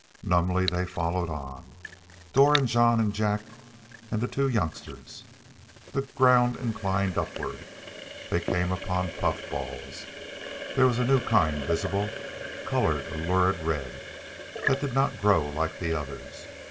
Numbly they followed on Dor and Jon and Jak and the two youngsters. The ground inclined upward. They came upon puffballs. There was a new kind visible, colored a lurid red, that did not grow like the others.